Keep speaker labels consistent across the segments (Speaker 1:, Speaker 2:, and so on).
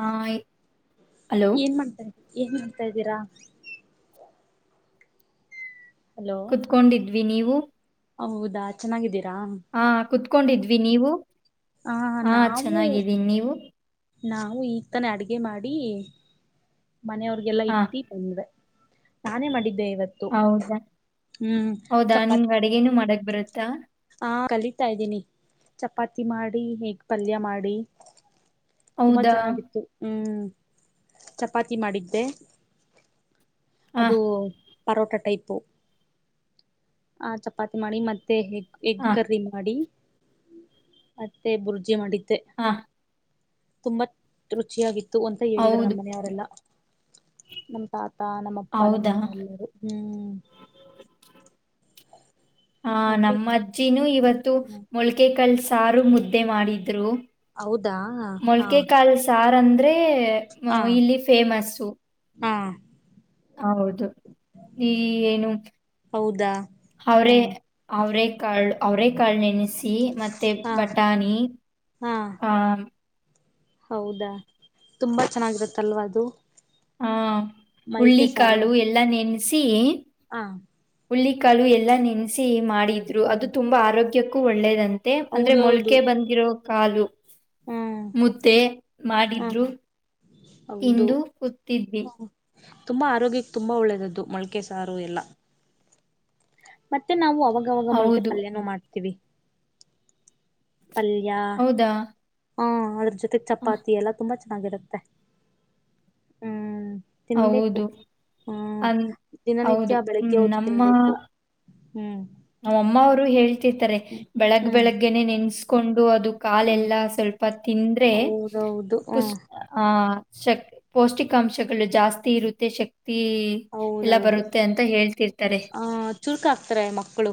Speaker 1: ಆ ಹಲೋ
Speaker 2: ಏನ್ ಮಾಡ್ತಾ ಏನ್ ಮಾಡ್ತಾ ಇದ್ದೀರಾ ಹಲೋ
Speaker 1: ಕೊಂಡಿದ್ವಿ ನೀವು
Speaker 2: ಹೌದಾ ಚೆನ್ನಾಗಿದ್ದೀರಾ
Speaker 1: ಹಾ ಕುತ್ಕೊಂಡಿದ್ವಿ ನೀವು
Speaker 2: ಆ
Speaker 1: ಹಾ
Speaker 2: ನಾವು
Speaker 1: ಚೆನ್ನಾಗಿದ್ದೀನಿ ನೀವು
Speaker 2: ನಾವು ಈಗ ತಾನ ಅಡಗೆ ಮಾಡಿ ಮನೆಯವ್ರಗೆಲ್ಲಾ
Speaker 1: ಆ
Speaker 2: ಇಟ್ಟು ಒಂದ ನಾನೇ ಮಾಡಿದ್ದೆ ಇವತ್ತು
Speaker 1: ಹೌದಾ
Speaker 2: ಹ್ಮ್
Speaker 1: ಹೌದಾ ನಿಮ್ ಅಡಗೇನು ಮಾಡಕ್ ಬರುತ್ತಾ
Speaker 2: ಹಾ ಕಲಿತಾ ಇದ್ದೀನಿ ಚಪಾತಿ ಮಾಡಿ ಹೇಗ್ ಪಲ್ಯ ಮಾಡಿ ತುಂಬಾ
Speaker 1: ಹೌದಾ
Speaker 2: ಚೆನ್ನಾಗಿತ್ತು ಹ್ಮ್ ಚಪಾತಿ ಮಾಡಿದ್ದೆ
Speaker 1: ಆ
Speaker 2: ಅದು ಪರೋಟಾ ಟೈಪು ಆ ಚಪಾತಿ ಮಾಡಿ ಮತ್ತೆ ಹ ಎಗ್
Speaker 1: ಆ
Speaker 2: ಕರ್ರ ಮಾಡಿ ಮತ್ತೆ ಬುರ್ಜಿ ಮಾಡಿದ್ದೆ
Speaker 1: ಹಾ
Speaker 2: ಕುಕೂಮ ತರುಚಿಯ ವಿ ತ್ತು ಅಂತ ಹೇಳಿದರು
Speaker 1: ಹೌದು
Speaker 2: ನಮ್ಮನೆಯವರೆಲ್ಲಾ ನಮ್ಮ ತಾತ ನಮ್ಮಪ್ಪ
Speaker 1: ಹೌದಾ
Speaker 2: ನಮ್ಮಮ್ಮ ಎಲ್ಲರೂ ಹ್ಮ್
Speaker 1: ಹಾ
Speaker 2: ಮತ್ತೆ
Speaker 1: ನಮ್ಮ ಅಜ್ಜಿನೂ ಇವತ್ತು
Speaker 2: ಹ್ಮ್
Speaker 1: ಮೊಳ್ಕೆ ಕಲ್ ಸಾರು ಮುದ್ದೆ ಮಾಡಿದ್ರು
Speaker 2: ಹೌದಾ ಹಾ
Speaker 1: ಮೊಳ್ಕೆಕಾಲ್ ಸಾರ ಅಂದ್ರೆ
Speaker 2: ಹಾ
Speaker 1: ಇಲ್ಲಿ ಫೇಮಸ್ಸು
Speaker 2: ಹಾ
Speaker 1: ಹೌದು ಈ ಏನು
Speaker 2: ಹೌದಾ
Speaker 1: ಅವರೇ
Speaker 2: ಹ್ಮ್
Speaker 1: ಅವರೇ ಕಾಳು ಅವರೇ ಕಾಳು ನೆನಿಸಿ ಮತ್ತೆ
Speaker 2: ಹಾ
Speaker 1: ಬಟಾಣಿ
Speaker 2: ಹಾ
Speaker 1: ಆ
Speaker 2: ಹೌದಾ ತುಂಬಾ ಚೆನ್ನಾಗಿರುತ್ತಲ್ವಾ ಅದು
Speaker 1: ಹ
Speaker 2: ಮಲ್ಕೆ
Speaker 1: ಹಳ್ಳಿಕಾಳು ಎಲ್ಲ ನೆನೆಸಿ
Speaker 2: ಹಾ
Speaker 1: ಹುಳ್ಳ ಕಾಲು ಎಲ್ಲ ನೆನೆಸಿ ಮಾಡಿದ್ರು ಅದು
Speaker 2: ಹ್ಮ್
Speaker 1: ತುಂಬಾ ಆರೋಗ್ಯಕ್ಕೂ ಒಳ್ಳೇದಂತೆ ಮತ್ತೆ ಅಂದ್ರೆ
Speaker 2: ಹೌದೌದು
Speaker 1: ಮೊಳಕೆ ಬಂದಿರೋ ಕಾಲು
Speaker 2: ಹ್ಮ್
Speaker 1: ಮುದ್ದೆ
Speaker 2: ಹ
Speaker 1: ಮಾಡಿದ್ರು
Speaker 2: ಹೌದು
Speaker 1: ತಿಂದು ಕೂತಿದ್ವಿ
Speaker 2: ತುಂಬಾ ಆರೋಗ್ಯಕ್ಕೆ ತುಂಬಾ ಒಳ್ಳೇದದ್ದು ಮಳಕೆ ಸಾರು ಎಲ್ಲ ಮತ್ತೆ ನಾವು ಅವಾಗವಾಗ ಮೊಳ್ಕೆ
Speaker 1: ಹೌದು
Speaker 2: ಪಲ್ಯನ ಮಾಡ್ತೀವಿ ಪಲ್ಯ
Speaker 1: ಹೌದಾ
Speaker 2: ಹಾ ಅದ್ರ ಜೊತೆ
Speaker 1: ಹ,
Speaker 2: ಚಪಾತಿ ಎಲ್ಲ ತುಂಬಾ ಚೆನ್ನಾಗಿರುತ್ತೆ ಹ್ಮ್ ತಿನ್ಬೇಕು
Speaker 1: ಹೌದು
Speaker 2: ಹ್ಮ್
Speaker 1: ಅನ್ ಹೌದು
Speaker 2: ದಿನನಿತ್ಯ
Speaker 1: ಹ್ಮ್
Speaker 2: ಬೆಳಗ್ಗೆ ಹೋತ್ತು ತಿನ್ಬೇಕು ಹ್ಮ್
Speaker 1: ನಮ್ಮ ಅಮ್ಮ ಅವರು ಹೇಳ್ತಿರ್ತಾರೆ ಬೆಳಗ್
Speaker 2: ಹ್ಮ್
Speaker 1: ಬೆಳಗ್ಗೆನೆೇ ನೆನ್ಸ್ಕೊಂಡು ಅದು
Speaker 2: ಹ್ಮ್
Speaker 1: ಕಾಲೆಲ್ಲಾ ಸ್ವಲ್ಪ ತಿಂದ್ರೆ
Speaker 2: ಹೌದೌದು ಹ
Speaker 1: ಪುಷ ಆ ಶಕ್ ಪೌಷ್ಟಿಕಾಂಶಗಳು ಜಾಸ್ತಿ ಇರುತ್ತೆ ಶಕ್ತಿ ಎಲ್ಲ
Speaker 2: ಹೌದೌದು
Speaker 1: ಬರುತ್ತೆ ಅಂತ ಹೇಳ್ತಿರ್ತಾರೆ
Speaker 2: ಚುರ್ಕ ಆಕ್ತಾರೆ ಮಕ್ಕಳು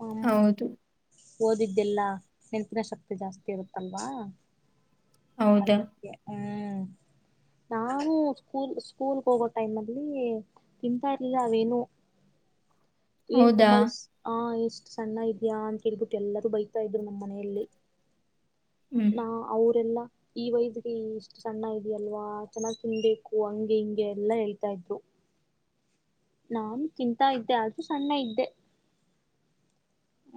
Speaker 2: ಹ್ಮ್
Speaker 1: ಹೌದು
Speaker 2: ಓದಿದ್ದೆಲ್ಲ ನೆನ್ಪಿನ ಶಕ್ತಿ ಜಾಸ್ತಿ ಇರುತ್ತಲ್ವಾ
Speaker 1: ಹೌದಾ
Speaker 2: ಅದಕ್ಕೆ ಹ್ಮ್ ನಾನು ಸ್ಕೂಲ್ ಸ್ಕೂಲ್ ಹೋಗ ಟೈಮ್ ಅಲ್ಲಿ ತಿಂತಾ ಇರ್ಲಿಲ್ಲ ಅವೇನು ಏನ್
Speaker 1: ಹೌದಾ
Speaker 2: ತುಂಬಾ ಹಾ ಎಷ್ಟು ಸಣ್ಣ ಇದ್ಯಾ ಅಂತ ಹೇಳ್ಬಿಟ್ಟು ಎಲ್ಲರೂ ಬೈತಾ ಇದ್ರು ನಮ್ಮ್ ಮನೆಯಲ್ಲಿ
Speaker 1: ಹ್ಮ್
Speaker 2: ನಾ ಅವರೆ ಎಲ್ಲ ಈ ವಯಸ್ಸಗೆ ಎಷ್ಟು ಸಣ್ಣ ಇದೆಯಲ್ವಾ ಚೆನ್ನಾಗಿ್ ತಿನ್ಬೇಕು ಹಂಗೆ ಹಿಂಗೆ ಎಲ್ಲಾ ಹೇಳ್ತಾ ಇದ್ರು ನಾನು ಕಿಂತ ಇದ್ದೆ ಆದೂ ಸಣ್ಣ ಇದ್ದೆ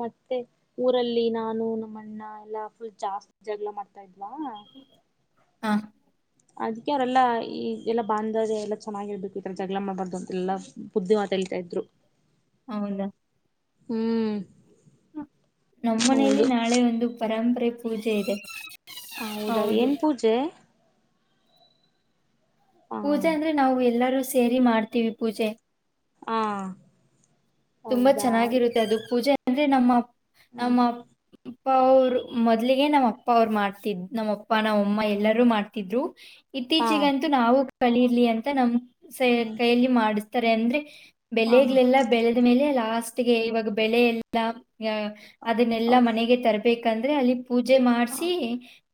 Speaker 2: ಮತ್ತೆ ಊರಲ್ಲಿ ನಾನು ನಮ್ಮಣ್ಣ ಎಲ್ಲಾ ಫುಲ್ ಜಾಸ್ತಿ ಜಗಳ ಮಾಡ್ತಾ ಇದ್ವಾ
Speaker 1: ಹಾ
Speaker 2: ಅದಕ್ಕೆ ಅವರೆಲ್ಲಾ ಈ ಎಲ್ಲ ಬಾಂಧ ಎಲ್ಲ ಚೆನ್ನಾಗಿರ್ಬೇಕು ಈತರ ಜಗಳ ಮಾಡ್ಬಾರ್ದು ಅಂತೆ ಎಲ್ಲಾ ಬುದ್ಧಿವಾ ಹೇಳ್ತಾ ಇದ್ರು ಹ್ಮ್
Speaker 1: ಹೌದಾ
Speaker 2: ಹ್ಮ್
Speaker 1: ನಮ್ಮ ಮನೆಯಲ್ಲಿ
Speaker 2: ಹೌದು
Speaker 1: ನಾಳೆ ಒಂದು ಪರಂಪರೆ ಪೂಜೆ ಇದೆ
Speaker 2: ಹೌದಾ
Speaker 1: ಹೌದು
Speaker 2: ಏನ್ ಪೂಜೆ ಹ
Speaker 1: ಪೂಜೆ ಅಂದ್ರೆ ನಾವು ಎಲ್ಲರೂ ಸೇರಿ ಮಾಡ್ತೀವಿ ಪೂಜೆ
Speaker 2: ಹಾ
Speaker 1: ತುಂಬಾ
Speaker 2: ಹೌದಾ
Speaker 1: ಚೆನ್ನಾಗಿರುತ್ತೆ ಅದು ಪೂಜೆ ಅಂದ್ರೆ ನಮ್ಮ
Speaker 2: ಹ
Speaker 1: ನಮ್ಮ ಅಪ್ಪ ಅವರು ಮೊದ್ಲಿಗೆ ನಮ್ಮ ಅಪ್ಪ ಅವರು ಮಾಡ್ತಿದ್ ನಮ್ಮ ಅಪ್ಪ ನಮ್ಮ ಅಮ್ಮ ಎಲ್ಲಾರೂ ಮಾಡ್ತಿದ್ರು [unintelligible]
Speaker 2: ಹಾ
Speaker 1: ಇತ್ತೀಚಿಗಂತೂ ನಾವು ಕಳಿರ್ಲಿ ಅಂತ ನಮ್ ಸ
Speaker 2: ಹ್ಮ್
Speaker 1: ಕೈಯಲ್ಲಿ ಮಾಡಿಸ್ತಾರೆ ಅಂದ್ರೆ
Speaker 2: ಹಾ
Speaker 1: ಬೆಳಗಳೆಲ್ಲ ಬೆಳೆದ ಮೇಲೆ ಲಾಸ್ಟ್ಗೆ ಇವಾಗ ಬೆಳೆ ಎ ಅದನ್ನೆಲ್ಲಾ
Speaker 2: ಹೌದು
Speaker 1: ಮನೆಗೆ ತರ್ಬೇಕಂದ್ರೆ ಅಲ್ಲಿ ಪೂಜೆ
Speaker 2: ಹ
Speaker 1: ಮಾಡ್ಸಿ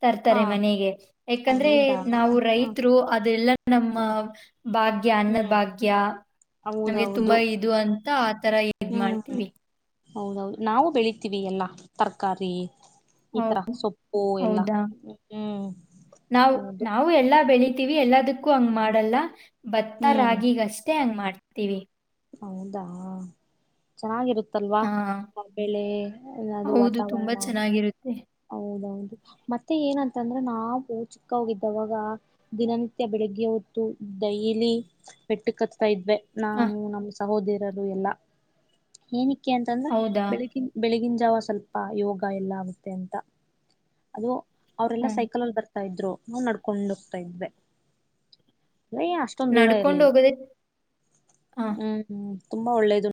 Speaker 1: ತರ್ತಾರೆ
Speaker 2: ಹಾ
Speaker 1: ಮನೆಗೆ ಯಾಕಂದ್ರೆ
Speaker 2: ಹೌದಾ
Speaker 1: ನಾವು
Speaker 2: ಹ್ಮ
Speaker 1: ರೈತರು ಅದೆಲ್ಲ ನಮ್ಮ
Speaker 2: ಹ್ಮ್
Speaker 1: ಭಾಗ್ಯ ಅನ್ನ
Speaker 2: ಹ್ಮ್
Speaker 1: ಭಾಗ್ಯ
Speaker 2: ಹೌದೌದು
Speaker 1: ಇದು ಅಂತ ಆ ತರ ಇದ್
Speaker 2: ಹ್ಮ್
Speaker 1: ಮಾಡ್ತೀವಿ.
Speaker 2: ಹೌದೌದು ನಾವು ಬೆಳಿತೀವಿ ಎಲ್ಲಾ ತರಕಾರಿ ಈ ತರ
Speaker 1: ಹೌ-
Speaker 2: ಸೊಪ್ಪು ಎಲ್ಲಾ
Speaker 1: ಹೌದಾ
Speaker 2: ಹ್ಮ್ ಹೌದು
Speaker 1: ಎಲ್ಲಾ ಬೆಳತಿೀವಿ ಎಲ್ಲದಕ್ಕೂ ಹಂಗ
Speaker 2: ಹ್ಮ್
Speaker 1: ಮಾಡಲ್ಲ ಭತ್ತ
Speaker 2: ಹ್ಮ್
Speaker 1: ರಾಗಿ ಅಷ್ಟೇ ಹಂಗ ಮಾಡ್ತೀವಿ
Speaker 2: ಹೌದಾ ಚೆನ್ನಾಗಿರುತ್ತಲ್ವಾ
Speaker 1: ಹಾ
Speaker 2: ಆ ಬೆಳೆ ಅನದು ವಾತಾವರಣ
Speaker 1: ಹ
Speaker 2: ಹೌದೌದು ಮತ್ತೆ ಏನಂತ ಅಂದ್ರೆ ನಾವು ಚಿಕ್ಕ ಹೋಗಿದ್ದಾವಾಗ [unintelligible] ದಿನನಿತ್ಯ ಬೆಳಿಗ್ಗೆ ಹೊತ್ತು ಡೈಲಿ ಮೆಟ್ಟಿ ಕ ಇದೆ
Speaker 1: ಆ,
Speaker 2: ನಾನು ನಮ್ಮ ಸಹೋದರರು ಎಲ್ಲಾ ಏನಕ್ಕೆ ಅಂತಂದ್ರ
Speaker 1: ಹೌದಾ
Speaker 2: ಬೆಳಗಿನ ಬೆಳಿಗಿನ ಜಾವ ಸ್ವಲ್ಪ ಯೋಗ ಎಲ್ಲ ಆಗುತ್ತೆ ಅಂತ ಅದು ಅವರೆಲ್ಲ
Speaker 1: ಹ್ಮ್
Speaker 2: ಸೈಕಲ್ಲ್ಲಿ ಬರ್ತ ತಾ ಇದ್ರು ನಾವು ನಡ್ಕೊಂಡ ಹೋಗ್ತಾ ಇದ್ವೆ ಅಯ ಅಷ್ಟ ದೂರ
Speaker 1: ನಡ್ಕೊಂಡು
Speaker 2: ಇರ್ಲಿಲ್ಲ
Speaker 1: ಹೋಗೋದೇ ಹಾ
Speaker 2: ಹ್ಮ್ ತುಂಬಾ ಒಳ್ಳೇದು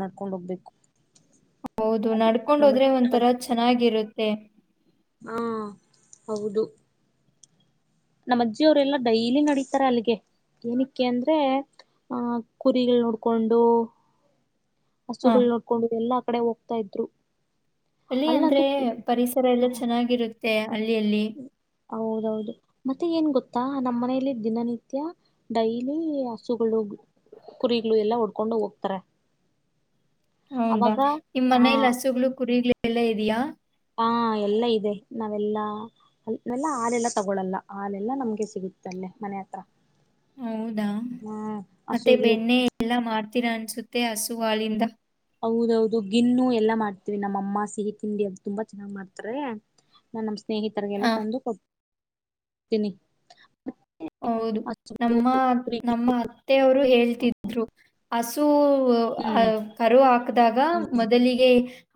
Speaker 2: ನಡ್ಕೊಂಡು ಹೋಗ್ಬೇಕು
Speaker 1: ಹೌದು
Speaker 2: ಅದಿಕ್
Speaker 1: ನಡ್ಕೊಂಡ
Speaker 2: ನಮ್ಮ
Speaker 1: ಹೋದ್ರೆ
Speaker 2: ನಮ್ಮ
Speaker 1: ಒಂಥರ ಚೆನ್ನಾಗಿರುತ್ತೆ
Speaker 2: ಹಾ ಹೌದು [unintelligible] ನಮ್ಮಜ್ಜಿ ಅವರೆಲ್ಲಾ ಡೈಲಿ ನಡೀತಾರೆ ಅಲ್ಲಿಗೆ ಏನಕ್ಕೆ ಅಂದ್ರೆ ಆಹ ಕುರಿಗಳು ನೋಡ್ಕೊಂಡು [unintelligible]
Speaker 1: ಹಾ
Speaker 2: ಹಸುಗಳು ನೋಡ್ಕೊಂಡು ಎಲ್ಲಾ ಕಡೆ ಹೋಗ್ತಾ ಇದ್ರು
Speaker 1: ಅಲ್ಲಿ ಅಂದ್ರೆ
Speaker 2: ಅಲ್ಲಂತೂ
Speaker 1: ಪರಿಸರ ಎಲ್ಲ ಚೆನ್ನಾಗಿರುತ್ತೆ ಅಲ್ಲಿ ಅಲ್ಲಿ
Speaker 2: ಹೌದೌದು ಮತ್ತೆ ಏನ್ ಗೊತ್ತಾ ನಮ್ಮ್ ಮನೆಯಲ್ಲಿ ದಿನನಿತ್ಯ ಡೈಲಿ ಹಸುಗಳು ಕುರಿಗಳು ಎಲ್ಲಾ ಒಡ್ಕೊಂಡು ಹೋಗ್ತಾರೆ
Speaker 1: ಹೌದಾ
Speaker 2: ಅವಾಗ
Speaker 1: ನಿಮ್
Speaker 2: ಆ
Speaker 1: ಮನೇಲಿ ಹಸುಗಳು ಕುರಿಗಳು ಎಲ್ಲ ಇದೆಯಾ
Speaker 2: ಹಾ ಎಲ್ಲಾ ಇದೆ ನಾವೆಲ್ಲಾ ಅೆಲ್ಲ ಹಾಲೆಲ್ಲಾ ತಗೊಳಲ್ಲ ಹಾಲೆಲ್ಲಾ ನಮ್ಗೆ ಸಿಗುತ್ತೆ ಅಲ್ಲೇ ಮನೆ ಹತ್ರ
Speaker 1: ಹೌದಾ
Speaker 2: ಹ್ಮ್
Speaker 1: ಮತ್ತೆ
Speaker 2: ಹಸುಗಳು
Speaker 1: ಬೆಣ್ಣೆ ಎಲ್ಲಾ ಮಾಡ್ತೀರಾ ಅನ್ಸುತ್ತೆ ಹಸು ಹಾಳಿಂದ
Speaker 2: ಹೌದೌದು ಗಿನ್ನು ಎಲ್ಲಾ ಮಾಡ್ತೀವಿ ನಮ್ಮಅಮ್ಮ ಸಿಹಿ ತಿಂಡಿ ಅ ತುಂಬಾ ಚೆನ್ನ್ ಮಾಡ್ತಾರೆ ನಾ ನಮ್ಮ
Speaker 1: ಹ
Speaker 2: ಸ್ನೇಹಿತರ್ರಿಗೆಲ್ಲ ತಂದು ಕೊಟ್ಟತೀನಿ
Speaker 1: ಹೌದು ನಮ್ಮ ನಮ್ಮ ಅತ್ತೆಯವರು ಹೇಳ್ತಿದ್ರು ಹಸು ಅ
Speaker 2: ಹ್ಮ್
Speaker 1: ಕರು ಹಾಕದಾಗ ಮೊದಲಿಗೆ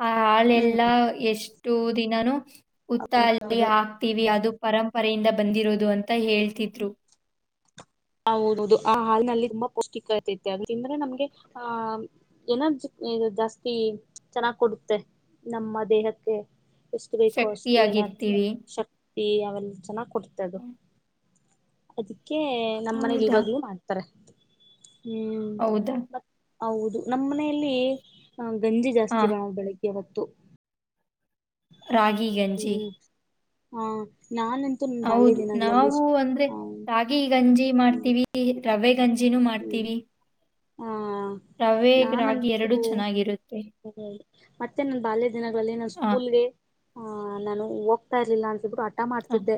Speaker 1: ಆ
Speaker 2: ಹ್ಮ್
Speaker 1: ಹಾಳೆಲ್ಲಾ ಎಷ್ಟು ದಿನನುೂ ಉುತ್ತ ಅಲ್ಲಿಯ
Speaker 2: ಅದು
Speaker 1: ವಿ ಅದು ಪರಂಪರೆಯಿಂದ ಬಂದಿರೋದು ಅಂತ ಹೇಳ್ತಿದ್ರು
Speaker 2: ಹ ಹದದು ಆ ಹಾಲ್ನಲ್ಲಿ ತುಂಬಾ ಪೌಷ್ಟಿಕತೆತೆ ಅ ತಿಂದ್ರೆ ನಮ್ಗೆ ಆಹ ಎನರ್ಜಿ ಜಾಸ್ತಿ ಚೆನ್ನಾಗ್ ಕೊಡುತ್ತೆ ನಮ್ಮ ದೇಹಕ್ಕೆ ಎಷ್ಟು ಕಸ್ ಎನರ್ಜಿ
Speaker 1: ಶಕ್ತಿಯಾಗಿರ್ತೀವಿ
Speaker 2: ಶತಿ ಅವೆಲ್ಲ ಚೆನ್ನಾಗ್ ಕೊಡ್ತದು ಅದಕ್ಕೆ ನಮ್ಮ್ ಮನೇಲಿ
Speaker 1: ಹೌದಾ
Speaker 2: ಇವಾಗಲೂ ಮಾಡ್ತವಿ ತತ್ರೆ
Speaker 1: ಹೌದಾ
Speaker 2: ಹೌದು ನಮ್ಮ್ ಮನೆಯಲ್ಲಿ ಗಂಜಿ
Speaker 1: ಹಾ
Speaker 2: ಜಾಸ್ತಿ ಬಣ ಬೆಳಿಗ್ಗೆ ಹೊತ್ತು
Speaker 1: ರಾಗಿ ಗ
Speaker 2: ಹ್ಮ್ ಹಾ ನಾ [unintelligible]
Speaker 1: ಹೌದು ನಾವು ಅಂದ್ರೆ ರಾಗಿ ಗಂಜಿ
Speaker 2: ಹ್ಮ್
Speaker 1: ಮಾಡ್ತೀವಿ [unintelligible] ಈ ರವೆ ಗಂಜಿನೂ ಮಾಡ್ತೀವಿ
Speaker 2: ಹ [unintelligible]
Speaker 1: ರವೆ ರಾಗಿ ಎರಡುೂ ಚೆನ್ನಾಗಿರುತ್ತೆ
Speaker 2: ಹ ಮತ್ತೆ ನನ್ ಬಾಲ್ಯ ದಿನಗಳಲ್ಲಿ ನಾ
Speaker 1: ಹಾ
Speaker 2: ಸ್ಕೂಲ್ಗೆ ಹ ನಾನು ಹೋಗ್ತಾ ಇರ್ಲಿಲ್ಲ ಅನ್ಸಬಿಟ್ಟು ಅ ಆಟ
Speaker 1: ಹಾ,
Speaker 2: ಮಾಡ್ತಿದ್ದೆ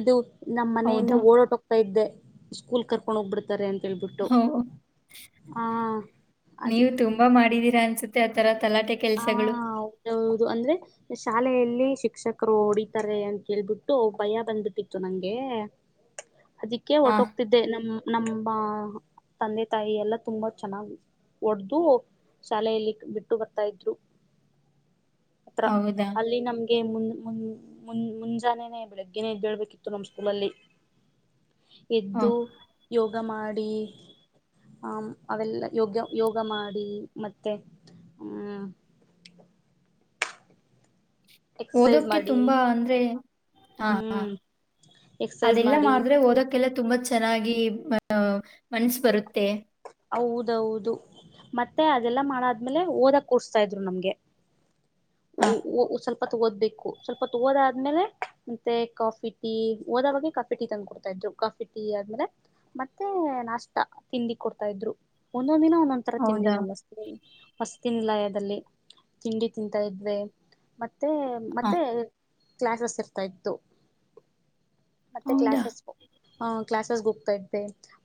Speaker 2: ಇದು ನಮ್ಮ್ ಮನೆಯಿಂದ
Speaker 1: ಹೌದಾ
Speaker 2: ಓಡಾಟ ಹೋಗ್ತಾ ಇದ್ದೆ ಸ್ಕೂಲ್ ಕರ್ ಕೊಂಡೋಗ್ಬಿಡ್ತಾರೆ ಅಂತೇಳ್ಬಿಟ್ಟು
Speaker 1: ಹೌ
Speaker 2: ಹ ಅದಿ
Speaker 1: ನೀವು ತುಂಬಾ ಮಾಡಿದೀರಾ ಅನ್ಸುತ್ತೆ ಆತರ ತಲಾಟೆ ಕೆಲಸಗಳು
Speaker 2: ಹೌದು ಅಂದ್ರೆ ಶಾಲೆಯಲ್ಲಿ ಶಿಕ್ಷಕರು ಹೊಡಿತಾರೆ ಅಂತೇಳ್ಬಿಟ್ಟು ಭಯ ಬಂದ್ಬಿಟ್ಟಿತ್ತು ನಂಗೆ ಅದಕ್ಕೆ
Speaker 1: ಹಾ
Speaker 2: ಒಟ್ಟೋಗ್ತಿದ್ದ ಅೇ ನಮ ನಮ್ಮ ತಂದೆ ತಾಯಿ ಎಲ್ಲ ತುಂಬಾ ಚೆನ್ನಾಗ್ ಒಡ್ದ ಶಾಲೆಯಲ್ಲಿ ಬಿಟ್ಟು ಬ ್ರು ಹತ್ರ
Speaker 1: ಹೌದಾ
Speaker 2: ಅಲ್ಲಿ ನಮ್ದ ಮು ಮು ಮು ಮುಂಜಾನೆನೆ ಬೆಳಿಗ್ಗೆನೆೇ ಇದದ್ದೇಳ್ಬೇಕಿತ್ತು ನಮ್ ಸ್ಕೂಲ ಅಲ್ಲಿ [unintelligible]
Speaker 1: ಹ
Speaker 2: ಎದ್ದು ಯೋಗ ಮಾಡಿ [unintelligible] ಹ ಅವೆಲ್ಲ ಯೋಗ್ಯ ಯೋಗ ಮಾಡಿ ಮತ್ತೆ ಹ್ಮ್ ಎಕ್ಸಸೈಸ್
Speaker 1: ಓದೋಕ್ಕೆ
Speaker 2: ಮಾಡಿ
Speaker 1: ತುಂಬಾ ಅಂದ್ರೆ ಹಾ ಹಾ
Speaker 2: ಹ್ಮ್ ಎಕ್ಸಸೈಸ್
Speaker 1: ಅದೆಲ್ಲ
Speaker 2: ಮಾಡಿ
Speaker 1: ಮಾಡಿದ್ರೆ ಓದಕ್ಕೆಲ್ಲ ತುಂಬಾ ಚೆನ್ನಾಗಿ ಅ ಮನ್ಸ ಬರುತ್ತೆ [unintelligible]
Speaker 2: ಹೌದೌದು ಮತ್ತೆ ಅದೆಲ್ಲ ಮಾಡಾದ್ಮೇಲೆ ಓದಕ್ ಕುರುಸ್ತ ಇದ್ರು ನಮ್ಗೆ
Speaker 1: ಹಾ
Speaker 2: [inaudible] ಸ್ವಪತ್ ಓದ್ಬೇಕು ಸ್ವಲ್ಪತ್ ಓದಾದ ಆದ್ಮೇಲೆ ಮತ್ತೆ ಕಾಫಿ ಟೀಓದ ಬಗ್ಗೆ ಕಾಫಿ ಟೀ ತಂಧ್ ಕೊಡ್ತಾ ಇದ್ರು ಕಾಫಿ ಟೀ ಆದ್ಮೇಲೆ ಮತ್ತೆ ನಾಷ್ಟ ತಿಂಡಿ ಕೊಡ್ತ ಇದ್ರು ಒಂದೊಂದ ದಿನ ಒಂದೊಂದ ತರ ತಿಂಡಿ
Speaker 1: ಹೌದಾ
Speaker 2: ನಮಸ್ ವಸ್ತಿಿನಲಯದಲ್ಲಿ ತಿಂಡಿ ತಿಂತಾ ಇದ್ವೆ ಮತ್ತೆ
Speaker 1: ಹಾ
Speaker 2: ಮತ್ತೆ ಮತ್ತೆ ಕ್ಲಾಸಸ್ ಇರ್ತಾ ಇತ್ತು ಮತ್ತೆ
Speaker 1: ಹೌದಾ
Speaker 2: ಕ್ಲಾಸಸ್ [unintelligible] ಕ್ಲಾಸಸ್ಗೆ ಹೋಗ್ತಾ ಇದ್ದೆ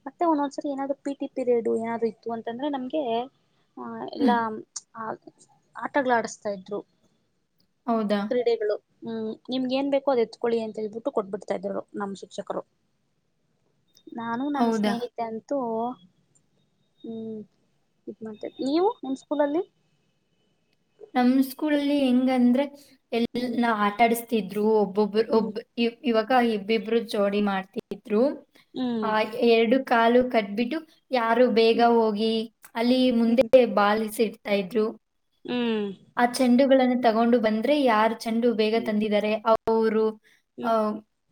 Speaker 2: ಮತ್ತೆ ಒಂದೊಂದ್ಸರಿ ಏನಾದ್ರು ಪಿ ಟಿ ಪೀರಿಯಡ್ ಏನಾದೂ ಇತ್ತು ಅಂತಂದ್ರೆ ನಮ್ಗೆ ಆ ಎಲ್ಲ
Speaker 1: ಹ್ಮ್
Speaker 2: ಆ ಆಟಗಳ ಆಡಿಸತಾ ಇದ್ರು
Speaker 1: ಹೌದಾ
Speaker 2: ಕ್ರೀಡೆಗಳು ಹ್ಮ್ ನಿಮ್ಗೆ ಏನ್ ಬೇಕೋ ಅ್ ಎತ್ಕೊಳ್ಳಿ ಅಂತ ಹೇಳ್ಬಿಟ್ಟು ಕೊಟ್ಬಿಡ್ತಾ ಇದ್ರು ನಮ್ಮ ಶಿಕ್ಷಕರು ನಾನು ನನ್
Speaker 1: ಹೌದಾ
Speaker 2: ಸ್ನೇಹಿತೆ ಅಂತೂ ಹ್ಮ್ ಇ ಮಾಡ್ತೇರಿ ನೀವು ನಿಮ್ಮ್ ಸ್ಕೂಲಲ್ಲಿ
Speaker 1: ನಮ್ ಸ್ಕೂಲ್ಲ್ಲಿ ಹೆಂಗ ಅಂದ್ರೆ ಎಲ್
Speaker 2: ಹ್ಮ್
Speaker 1: ನಾ ಆಟಾಡಸ್ತಿದ್ರು ಒಬ್ಬೊಬ್ಬರು
Speaker 2: ಹ್ಮ್
Speaker 1: ಒಬ್ಬ ಇವಾಗ ಇಬ್ಬಿಬ್ರು ಜೋಡಿ ಮಾಡ್ತಿದ್ರು
Speaker 2: ಹ್ಮ್
Speaker 1: ಆ ಎರಡು ಕಾಲು ಕಟ್ಬಿಟ್ಟು ಯಾರು ಬೇಗ
Speaker 2: ಹ್ಮ್
Speaker 1: ಹೋಗಿ ಅಲ್ಲಿ ಮುಂದೆ
Speaker 2: ಹ್ಮ್
Speaker 1: ಬಾಲಿಸಿ ಇಡ್ತಾ ಇದ್ರು
Speaker 2: ಹ್ಮ್
Speaker 1: ಆ ಚೆಂಡುಗಳನ್ನು ತಗೊಂಡು ಬಂದ್ರೆ ಯಾರ್ ಚೆಂಡು ಬೇಗ ತಂದಿದ್ದಾರೆ ಅವರು
Speaker 2: ಹ್ಮ್
Speaker 1: ಹ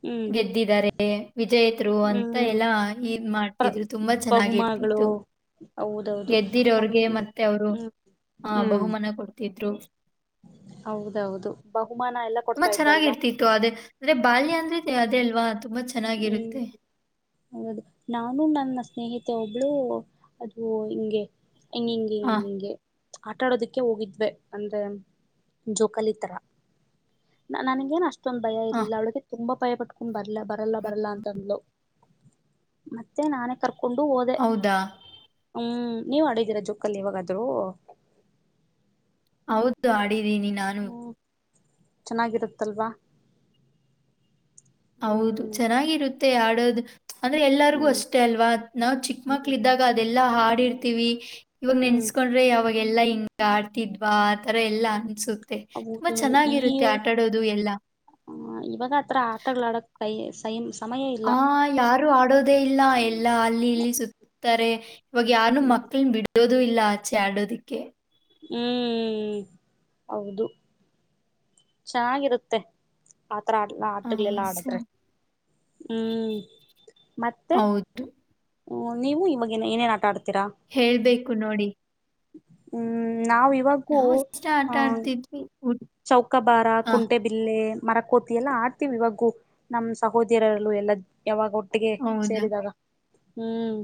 Speaker 2: ಹ್ಮ್
Speaker 1: ಗೆದ್ದಿದ್ದಾರೆ ವಿಜೇತ್ರು ಅಂತ
Speaker 2: ಹ್ಮ್
Speaker 1: ಎಲ್ಲ ಇದ
Speaker 2: ಪ್ರ
Speaker 1: ಮಾಡ್ತಿದ್ರು ತುಂಬಾ
Speaker 2: ಬಹುಮಾನಗಳು
Speaker 1: ಚೆನ್ನಾಗಿರ್ತಿತ್ತು
Speaker 2: ಹೌದೌದು
Speaker 1: ಗೆದ್ದಿರ
Speaker 2: ನಮ್
Speaker 1: ಅವ್ರಿಗೆ ಮತ್ತೆ ಅವ್ರು
Speaker 2: ಹ್ಮ್
Speaker 1: ಆಹ
Speaker 2: ಹ್ಮ್
Speaker 1: ಬಹುಮನ ಕೊಡ್ತಿದ್ರು
Speaker 2: ಹೌದೌದು ಬಹುಮಾನ ಎಲ್ಲ
Speaker 1: ತುಂಬಾ
Speaker 2: ಕೊಡ್ತಾ ಇದ್ದಲ್ವಾ
Speaker 1: ಚೆನ್ನಾಗಿರ್ತಿತ್ತು ಅದೇ ಅಂದ್ರೆ ಬಾಯ ಅಂದ್ರೆ ಅದೇ ಅಲ್ವಾ ತುಂಬಾ
Speaker 2: ಹ್ಮ್
Speaker 1: ಚೆನ್ನಾಗಿರುತ್ತೆ
Speaker 2: ಹೌದು ನಾನು ನನ್ನ ಸ್ನೇಹಿತೆ ಒಬ್ಳು ಅದು ಹಿಂಗೆ. ಹಂಗೆ
Speaker 1: ಹಾ
Speaker 2: ಆಟ ಆಡೋದಿಕ್ಕೆ ಹೋಗಿದ್ವೆ ಅಂದ್ರೆ ಜೋಕಾಲಿ ತರ. ನನಗೇ ನ ಅಷ್ಟ. ಅಷ್ಟೊಂದು ಭಯ
Speaker 1: ಹಾ
Speaker 2: ಇರ್ಲಿಲ್ಲ ಅವಳಿಗೆ ತುಂಬಾ ಭಯ ಪಟ್ಕೊಂಡ್ ಬರ್ಲ ಬರಲ್ಲ ಬರಲ್ಲ ಅಂತಂದ್ಲು ಮತ್ತೆ. ಮತ್ತೆ ನಾನೇ ಕರ್ಕೊಂಡು ಹೋದೆ
Speaker 1: ಹೌದಾ
Speaker 2: ಹ್ಮ್ ನೀವ್ ಆಡಿದೀರಾ ಜೋಕಾಲಿ ಲ್ಲಿ ಇವಾಗಾದ್ರೂ.
Speaker 1: ಹೌದು ಆಡಿದ್ದೀನಿ ನಾನು.
Speaker 2: ಹ್ಮ ಚೆನ್ನಾಗಿರುತ್ತಲ್ವಾ
Speaker 1: ಹೌದು
Speaker 2: ಹ್ಮ್
Speaker 1: ಚೆನ್ನಾಗಿರುತ್ತೆ ಆಡೋದು ಅಂದ್ರೆ ಎಲ್ಲರಿಗೂ
Speaker 2: ಹ್ಮ್
Speaker 1: ಅಷ್ಟೇ ಅಲ್ವಾ ನಾವ್ ಚಿಕ್ಕ ಮಕ್ಳ
Speaker 2: ಹ್ಮ್
Speaker 1: ಇದ್ದಾಗ ಅದೆಲ್ಲಾ ಹಾಡಿರ್ತಿವಿ ಇವಾಗ
Speaker 2: ಹ್ಮ್
Speaker 1: ನೆನ್ಸ್ಕಡ್ರೆ ಯಾವಾಗ ಎಲ್ಲಾ ಹಿಂಗ ಆಡ್ತಿದ್ವಾ ಆತರ ಎಲ್ಲಾ ಅನ್ಸು ತುಂಬಾ
Speaker 2: ಹೌದೌದು
Speaker 1: ಚೆನ್ನಾಗಿರುತ್ತೆ ಆಟಾಡೋದು ಎಲ್ಲ
Speaker 2: ಹ ಇವಾಗ ಆತ್ರ ಆಟಗಳ ಆಡಕ್ ಸೈಮ
Speaker 1: ಹ ಯಾರು ಆಡೋದೇ ಇಲ್ಲ
Speaker 2: ಹ್ಮ್
Speaker 1: ಎಲ್ಲಾ ಅಲ್ಲಿ ಇಲ್ಲಿ ಸುತ್ತುತ್ತಾರೆ ಇವಾಗ ಯಾರ
Speaker 2: ಹ್ಮ್
Speaker 1: ಮಕ್ಕಳನ್ನ ಬಿಡೋದು ಇಲ್ಲ ಆಚೆ ಆಡೋದಿಕ್ಕೆ
Speaker 2: ಹ್ಮ್ ಹೌದು ಚೆನ್ನಾಗಿರುತ್ತೆ ಆತರ ಆ ಆಟಗಳೆಲ್ಲ ಆಡದ್ರೆ ಹ್ಮ್ ಮತ್ತೆ
Speaker 1: ಹ್ಞ
Speaker 2: ಹ್ಮ ನೀವು ಈವಾಗಿ ಏನೇನ್ ಆಟ ಆಡ್ತೀರಾ
Speaker 1: ಹೇಳ್ಬೇಕು ನೋಡಿ
Speaker 2: ಹ್ಮ್ ನಾವ ಇವಾಗೂ
Speaker 1: ನಾವು ಅಷ್ಟೇ
Speaker 2: ಹ
Speaker 1: ಆಟ ಆಡ್ತಿದ್ವಿ. ಉಟ್
Speaker 2: ಚೌಕಾಬಾರ
Speaker 1: ಆ
Speaker 2: ಕುಂಟೆ. ಬಿಲ್ಲೆ ಮರ ಕೋತಿ ಎಲ್ಲ ಆಡ್ತೀವಿ ಇವಾಗೂ ನಮ್ಮ್ ಸಹೋದರಲ್ಲೂ ಎಲ್ಲ. ಯಾವಾಗ ಒಟ್ಟಿಗೆ
Speaker 1: ಹೌದಾ?
Speaker 2: ಸೇರಿದಾಗ ಹ್ಮ್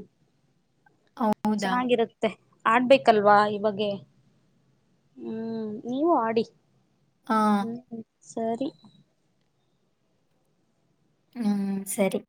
Speaker 1: ಹೌದಾ?
Speaker 2: ಚೆನ್ನಾಗಿರುತ್ತೆ. ಮತ್ತೆ ಆಡ್ಬೇಕಲ್ವಾ ಇವಾಗೆ ಹ್ಮ್ ನೀವು ಆಡಿ.
Speaker 1: ಹಾ.
Speaker 2: ಹ್ಮ್ ಸರಿ.
Speaker 1: ಹ್ಮ್ ಸರಿ.